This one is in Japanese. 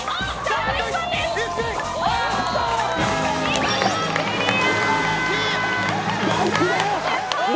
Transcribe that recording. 見事クリア。